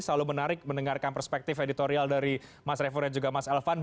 selalu menarik mendengarkan perspektif editorial dari mas revo dan juga mas elvan